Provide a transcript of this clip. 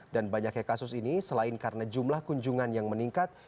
dan banyaknya kasus ini selain karena jumlah kunjungan yang meningkat